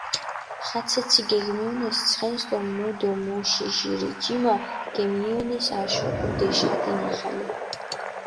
ხაცეცი გეგმეჸონეს ცხენს დო მუ დო მუში ჟირ ჯიმა გემნიჸონეს აშო, ჸუდეშა, დინახალე.